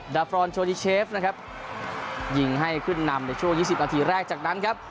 ฟรอนโชดิเชฟนะครับยิงให้ขึ้นนำในช่วง๒๐นาทีแรกจากนั้นครับ